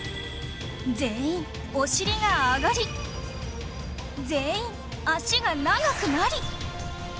全員お尻が上がり全員脚が長くなり